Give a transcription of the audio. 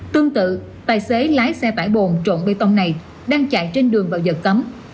tương tự tài xế lái xe tải bồn trộn bê tông này đang chạy trên đường vào giật cấm